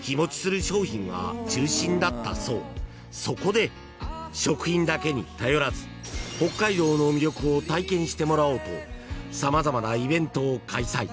［そこで食品だけに頼らず北海道の魅力を体験してもらおうと様々なイベントを開催］